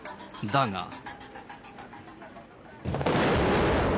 だが。